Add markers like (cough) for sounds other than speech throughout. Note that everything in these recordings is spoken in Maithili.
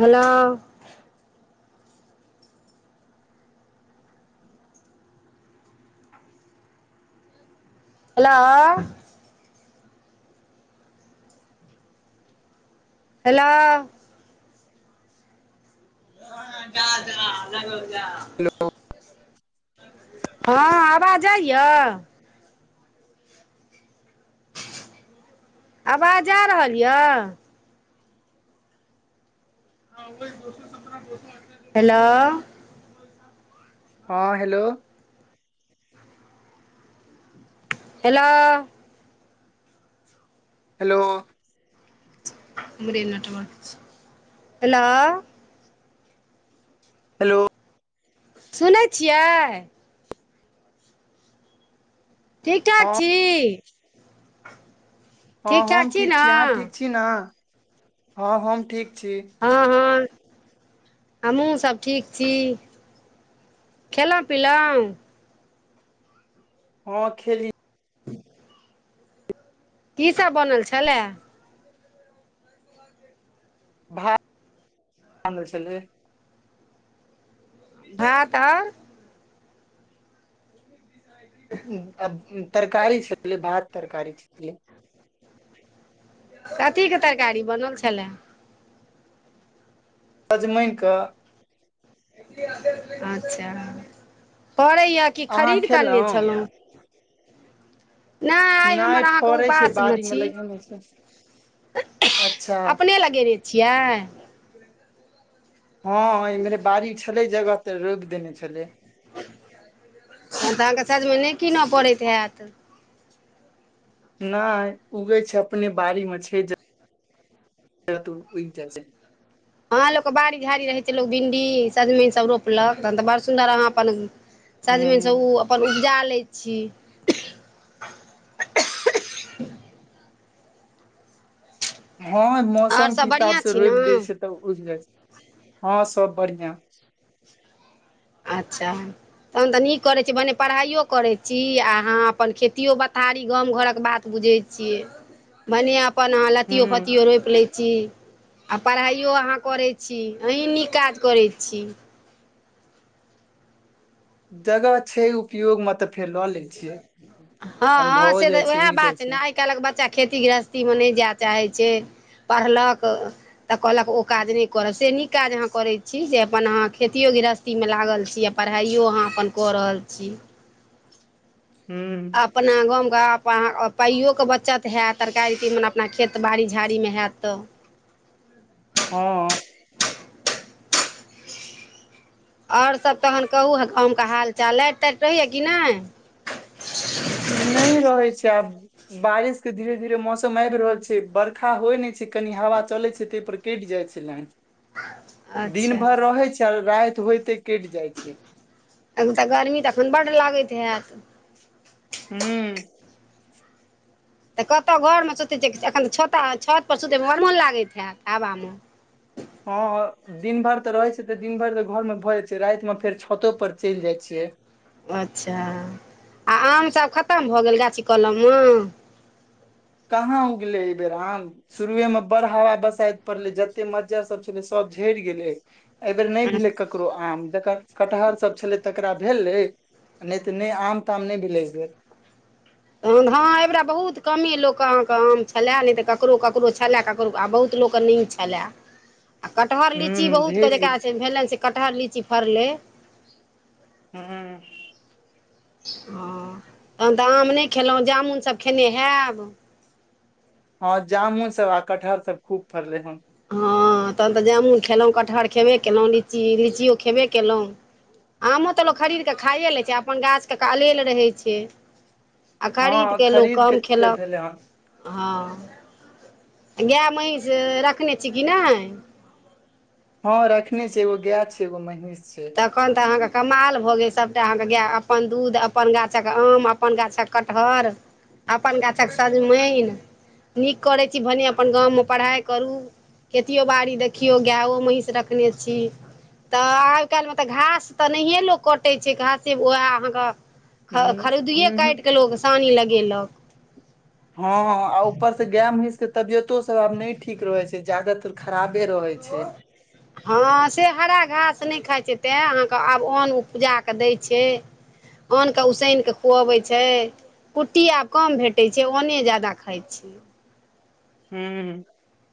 हेलो (inaudible) हेलो हेलो (unintelligible) हेलो हँ आवाज जाइय आवाज आ रहल यऽ हेलो हँ हेलो हेलो हेलो उमहरे नेटवर्क नै छै हेलो हेलो सुनै छियै ठीक ठाक हँ छी हँ ठीक ठाक हम छी ने अहाँ ठीक छी ना हँ हम ठीक छी हँ हँ हमहुँ सब ठीक छी खेलहुँ पिलहुँ हँ खेलीये (inaudible) की सब बनल छलै (unintelligible) भात आओर तरकारी छपले भात तरकारी छपले कथी के तरकारी बनल छलए सजमनि कऽ अच्छा पड़ैएा कि अहाँ खरीद क अनने खेलहुँ छलहुँ नहि आइ हमर नहि अहाँके फड़ै छै उपास मे बाड़ी छी (unintelligible) अच्छा अपने लगेने छियै हँ इम्हरे बाड़ी छलै जगह तऽ रोप देने छलै तऽ अहाँके सजमइन नहि कीनऽ पड़ैत हयत नहि उगै छै अपने बाड़ीमे छै उग जाई छै हँ लोकके बड़ी झाड़ी रहै छै लोक भिंडी सजमनि सब रोपलक तहन तऽ बड़ सुन्दर अहाँ अपन सजमनिसँ ओ ह अपन उपजा लैत छी हँ आओर मौसम के सभ हिसाब बढ़िआँ से छी रोप देय ने छै तऽ उड़ जा छै हँ सब बढ़िया (inaudible) अच्छा तहन तऽ नीक करै छी, पढ़ाइयो करैत छी अहाँ अपन, खेती बथारी, गाम घरक बात। तऽ बुझै छियै, बढ़िआँ अपन। अहाँ ह लत्ती फत्तीओ रोपि लै छी। आ पढ़ाइयो अहाँ करैत छी, अहीं नीक काज करै छी। जगह छै ऊपर। उपयोगमे तऽ फेर लऽ लै छियै अपन, हँ भऽ से तऽ जाइ छै, उएह उगि बात जाइ ने छै। आइ काल्हिक बच्चा खेती गृहस्थीमे नहि जाय चाहैत छै, पढ़लक। तऽ कहलक, ओ काज नहि करब। से नीक काज अहाँ करैत छी जे अपन अहाँ खेतीयो गृहस्थी खेतीमे लागल छी आ पढ़ाइयो अहाँ अपन कऽ रहल छी। हू अपना गामक पइयोके बचत होयत, तरकारी अपना खेत बाड़ी झाड़ीमे होयत। हँ आओर सभ तऽ कहू, गामक हाल चाल, लाइट टाइट रहै छै कि नहि? नहि रहै छै। आब बारिश के धीरे धीरे मौसम आबि रहल छै, बरखा होइ नहि छै, कनि हवा चलैत छै ताहि पर। कटि जाइ छै। लाइन दिन अच्छा भरि रहै छै। आ राति होयते कटि जाइ छै। एखन गर्मी तऽ एखन बड्ड लागैत होयत? हू तऽ कतहु घरमे सुतै छियै एखन छतपर सुतैमे हर मोन लागैत हैत हवामे। हँ दिन भर तऽ रहै छै तऽ दिन भरि तऽ घरमे भऽ जाइ छै, रातिमे फेर छतपर चलि जाइ छियै। अच्छा, आ आम सभ खतम भऽ गेल गाछी कलममे? कहाँ उगेले एहि बेर आम। शुरुएमे बड़ हवा बसा पड़लै, जते मज्जर सभ छलै, सभ झरि गेलै। एहि बेर नहि भेलै ककरो आम ज कटहर सभ छलै तकरा भेलै आ नहि तऽ नहि आम ताम नहि भेलीए तखन हँ, एहिबेरा बहुत कमे लोकके अहाँके आम छलए, नहि तऽ ककरो ककरो छलएक। आ बहुत लोकके नीक छलै। आ कटहर लीची हूँ बहुतके ढेर जकरा गेल। से भेलनि, से कटहर लीची फड़लै। ह हँ, तहन तऽ आम नहि खेलहुँ, जामुन सभ खेने हयब। हँ, जामुन सभ आ कटहर सभ खूब फड़लै हँ। हँ, तहन तऽ जामुन खयलहुँ, कटहर खेबे कयलहुँ, लीचियो खयबे कयलहुँ। आमो तऽ लोक खरीद कऽ खाइए लै छै, अपन गाछके अएल रहै छै। आ खरीद हँ कऽ लोक खरीद के कम फेर खयलक। भेलै हन हँ गाय महीँष रखने छी कि नहि? हँ रखने छै। एगो गाय छै, एगो महींष छै। अखन ते अहाँके कमाल भऽ गेलै सबटा, अहाँके गाय अपन दूध, अपन गाछक आम, अपन गाछक कटहर अपन गाछक सजमनि नीक करैत छी भने अपन गाममे पढ़ाइ करू। खेतो बाड़ी देखियौ, गायो महीष रखने छी तऽ आब। आइ काल्हिमे तऽ घास तऽ नहिये लोको कटै छै, घासेएह अहाँके। खरीदुए हूँ हूँ काटि कऽ लोक सानी लगेलक। हँ, आ ऊपरसँ गाय महीषके तबियतो सभ आब नहि ठीक रहैत छै, ज्यादातर खराबे रहै छै। (unintelligible) हँ, से हरा घास नहि खाइ छै तैं अहाँके आब अन्न उपजा कऽ दै छै। अन्ने उसैन कऽ खुअबै छै। कुट्टी आब कम भेटै छै। ओन्ने जादा खाइ छी। हूं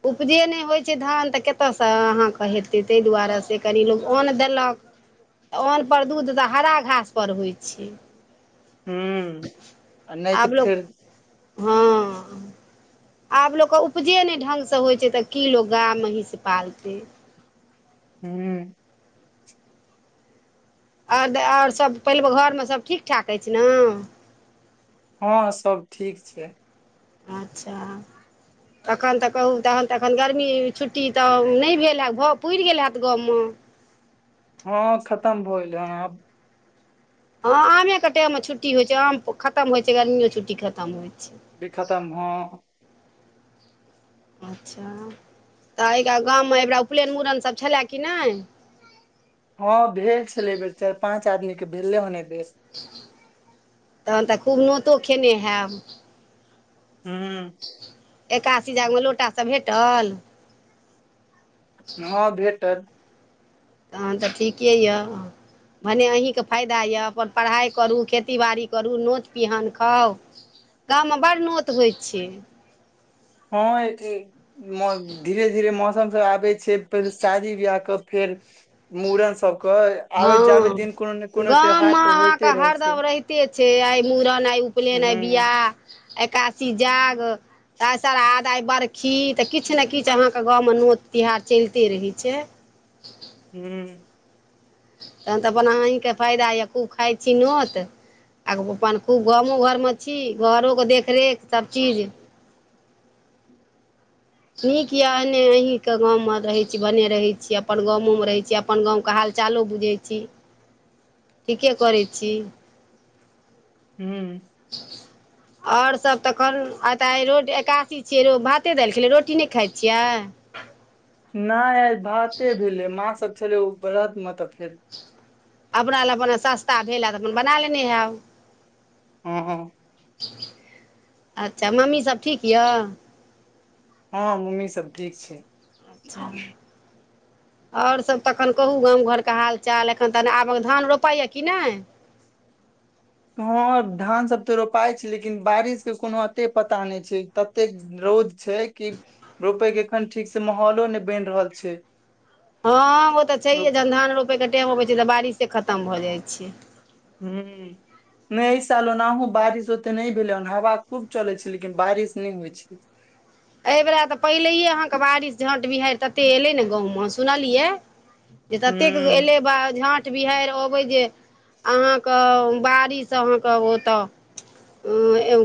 उपजे नहि होइत छै, धान तऽ कतयसँ अहाँकेँ हेतै, ताहि दुआरे से कनि लोक अन्न देलक। तऽ अन्नपर दूध तऽ हरा घास परर होइत छै हूँ आ नहि तऽ आब लोक फेर हँ आब लोकके उपजे नहि ढंग सँ होइ छै तऽ की लोक गाय महींस पालतै हूँ आओर आओर सभ पहिलबे घरमे सभ ठीक ठाक अछि ने हँ सब ठीक छै अच्छा तखन तऽ कहू तहन तऽ एखन गरमी छुट्टी तऽ नहि भेल ह भाव पुरि गेल हैत गाममे हँ खतम भएै हेन आब हँ आमेके टाईममे छुट्टी होइ छै आम खत्म होइ छै गर्मियो छुट्टी खत्म होइ छै की खतम ह अच्छा तऽ एहिा गाममे एहिबरा उपनयन मुड़नसभ छलए कि नहि हँ भेल छलै बेर चारि पाँच आदमी के भेले हने देश तहन तऽ खूब नोतो खेने हैब हू एकासी जाग मे लोटा सभ भेटल ह भेटल तहन तऽ ठीके यऽ भने अहीँकेँ फायदा यए अपन पढ़ाइ करू खेतीबाड़ी करू नोट पिहान खाउ गाम मे बड़ नोत होइ छै हँ एक धीरे धीरे मौसम सब आबै छै फेर शादी बियाहके फेर मुूड़न सबके आबे जाबे हँ दिन कोनो ने कोनो त्यौहार पर होइते रहै छै कते छै आइ मुूड़न आइ उपनयन आइ हूँ बियाह आइ एकादशी जाग तऽ श्रादध आइ बरखी तऽ किछु ने किछु अहाँके गाँवमे नोत त्यौहार चलिते रहै छै हू तखन तऽ अपन अहीँकेँ फायदा यए खूब खाइ छी नोत आर अपन खूब गामो घरमे छी घरोके देखरेख सबचीज नीक यए एने अहीँके गाँमे रहै छी बने रहैत छी अपन गामोमे रहै छी अपन गावके हालचालो बुझै छी ठीके करै छी हू आओर सब तखन आय त एकासी छिय भाते देल रोट रोटी नहि खा छियै नहि आय भाते भेलै माँ सब छलै ओ व्रद मे तऽ फेर अपना लए अपने सस्ता भेल ह तऽ अपन बना लेने हब ह ह अच्छा मम्मीसभ ठीक यऽ हँ मम्मी सब ठीक छै अच्छा आओर सब तखन कहू गाम घरके हाल चाल एखन त आबक धान रोपैया कि नहि हँ धान सब तऽ रोपााय छै लेकिन बारिश के कोनो अते पता नहि छै तते रौद छै कि रोपय के एखन ठीक से माहौलो नहि बनि रहल छै हँ ओ तऽ हूं छैहे जहन धान रोपैके टाइम अबै छै तऽ बारिशे खतम भऽ जाइ छै हू नहि एहि साल ओनाहु बारिश ओते नहि भेले हन हवा खूब चले छै लेकिन बारिश नहि होइ छै एहिबेर तऽ पहिलहिे अहाँके बारिश झट बिहारड़ि तते एयलै ने गाँवमे सुनलियै जे ततेक हूं एलै बा झाँट बिहारि अबै जे अहाँके बाड़ीसँ अहाँके ओतऽ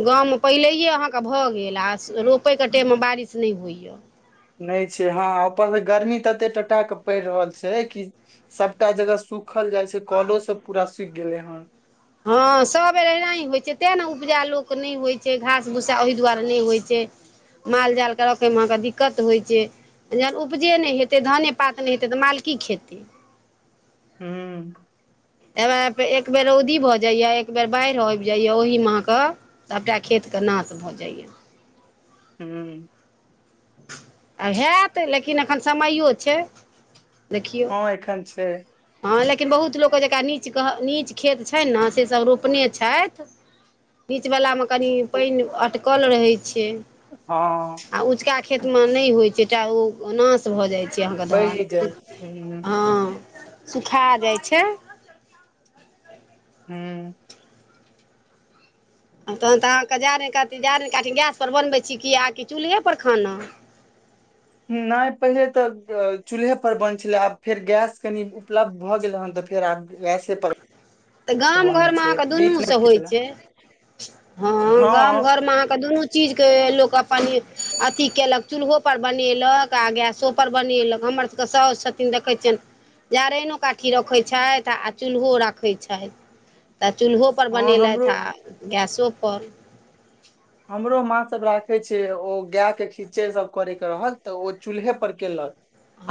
गाम मे पहिलेेहिये अहाँके भऽ गेल आ रोपै कटेमे बारिश नहि होइए नहि छै हँ ऊपर त गर्मी तऽ एते टटा क पड़ि रहल छै कि सभटा जगह सूख सूखल जाइ छै कलो सब पूरा सुखि गेलै हन हँ सभ बेर एनाही होइत छै तैँ ने उपजा लोक नहि होइत छै घास भूसा ओहि दुआरे नहि होइत छै माल जालकेँ रखैमे अहाँकेँ दिक्कत होइ छै जहखन उपजे नहि हेतै धाने पात नहि हेतै तऽ मालकी खेतै हू ह एक बेर रौदी भऽ जाइया एक बेेर बाढ़ि आबि जाइया ओहिीमे अहाँके सभटा खेतके नाश भऽ जाइए हुँ आ हैत लेकिन एखन समयो छै देखियौ हँ एखन छै हँ लेकिन बहुत लोकके जका नीच कह नीच खेत छ ने सेसभ रोपने छथि नीचवलामे कनि पानि अटकल रहै छै हँ आ उँचका खेतमे नहि होइ छै तटा ओ ओ नाश भऽ जाइ छै अहाँके बढ़ि जाइ धान छै हूँ हँ सुखा जाइ छै हुँ तहन तऽ अहाँकेँ जारनि काट जाार काति गैसपर बनबै छी किएकि चूल्हेप पर खाना नहि पहिले तऽ चूल्हे पर बन छलै आब फेर गैस कनि उपलब्ध भऽ गेले हेन तऽ फेर आब गैसे पर तऽ गाम घर बनै मे छै अहाँके बीच दुनू मे से की होइ छलै छै हँ गाम घर मे अहाँके दुनू चीजके लोक अपन अथी केलक चूल्हो पर बनेलक आ गैसो पर बनेलक हमर सभ के सा छथिन देखै छियनि जारैनो काठी रखे छथि आ चूल्हो राख रखैत छथि तऽ चूल्हो परर हँ हमरो बनेलथि आ गैसोपर हमरो माँ सब राखे छ ओ गााय के खीचड़ सब करेके रहल तऽ ओ चूल्हे पर केलक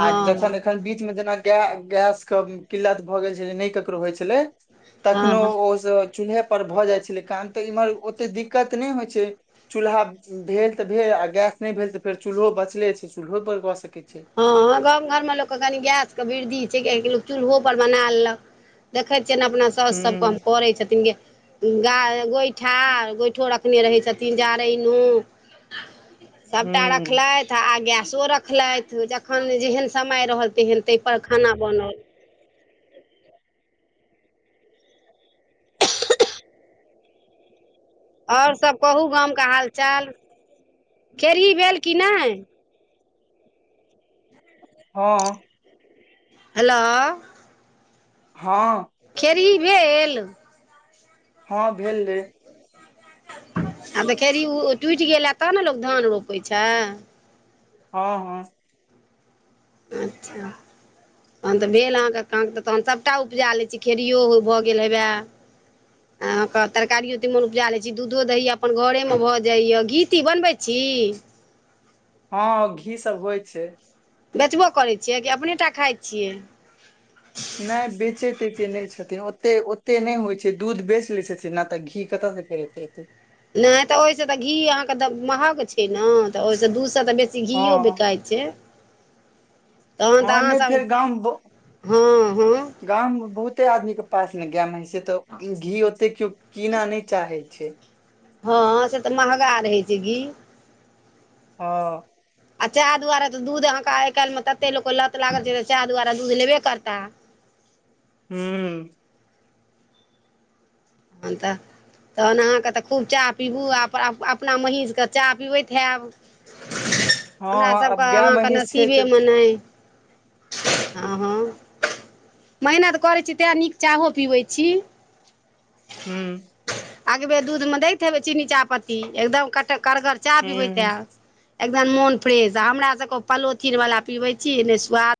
आ जखन एखन बीच मे जेना गैस के किल्लत भऽ गेल छै नहि ककरो होइ छलै हँ तखनो हँ ओ चूल्हे पर भऽ जाइ छलै काम तऽ इम्हर ओते दिक्कत नहि होइत छैय चूल्हा भेल ते भेल आ गैस नहि भेल तऽ फेर चूल्हो बचले छै चूल्होो पर गऽ सकैत छै हँ गाम घरमे लोकके कनि गैसके वृद्धि छै किआकि लोक चूल्हो परर बना लेलक देखै छियनि अपना साउसु सभके हम हूँ करै छथिन गे गा गोइठा गोइठो रखने रहै छथिन जारैनो सबटा हूँ रखलथि आ गैसो रखलथि जखन जेहन समय रहल तेहन ताहि पर खाना बनल आओर सब कहू गामके हाल चाल खेरही भेल कि नहि हँ हेलो हँ खेरही भेल हँ भेलय आ देखऽ खेरही ओ टूटि गेल हायत तहन ने लोको धान रोपै छै हँ हँ अच्छा तखन तऽ भेल अहाँके क तऽ तखन सभटा उपजा लैत छी खेड़ियो भऽ गेल हेवए ह अहाँके तरकारियो तीमन उपजा लै छी दूधो दैए अपन घरेमे भऽ जाइए घीतीी बनबै छी हँ घी सब होइ छै बेचबो करै छियै कि अपने टा खाइत छियै नहि बेचे तेचे नहि छथिन ओते ओते नहि होइ छै दूध बेच लैत छथिन नहि तऽ घी कतऽ कर त त (unintelligible) नहि तऽ ओहि से तऽ घी अहाँके महग छै ने तऽ ओहिस दू सए तऽ बेसी हँ घीये बिकायइत छै छै तहन तऽ हँ अहाँ नहि सब फेर हँ हँ गांम मे बहुते आदमी के पास मे गाय मे हे छै तऽ घी ओते केो कीना न चाहे छै हँ से तऽ महगा रहै छै घी हँ आ चाह दुआारा तऽ दूध अहाँके आइ काल्हि मे तते लोक लत लागल छै तऽ चाह दुआारा दूध लेबे करताह हूं अ तऽ तखन अहाँके तऽ खूब चाह पीबू आ अपना महीँसके चाह पीबैत हैब हँ हमरा सभके आब गाय अहाँके महिष छै तऽ नसीबेमे नहि हँ हँ मेहनत करैत छी तैँ नीक चाहो पीबैत छी हूं अगबे दूधमे दैत हेबै चीनी चाहपत्ती एकदम कट करगर चाह पिबैत हूँ हएब एकदम मोन फ्रेश हमरा सब के पलोथिन वाला पीबै छी ने स्वाद